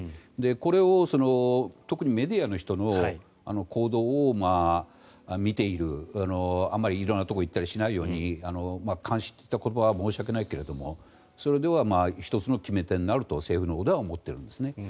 これを特にメディアの人の行動を見ているあまり色んなところに行ったりしないように監視という言葉は申し訳ないけれどもそれで１つの決め手になると政府のほうでは思っているんですね。